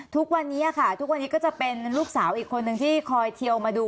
ทุกวันนี้ค่ะทุกวันนี้ก็จะเป็นลูกสาวอีกคนนึงที่คอยเทียวมาดู